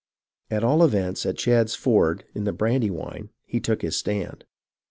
At all events, at Chadd's Ford in the Brandywine, he took his stand.